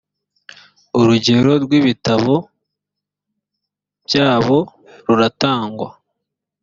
urugero rw ibitambo byabo ruratangwa